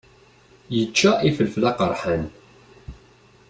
Yečča ifelfel aqeṛḥan.